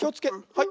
はい。